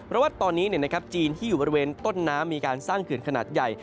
เพราะว่าตอนนี้จีนที่อยู่บริเวณต้นน้ำมีการสร้างเขื่อนขนาดใหญ่